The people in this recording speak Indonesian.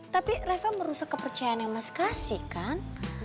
tapi reva merusak kepercayaan yang mas kasihkan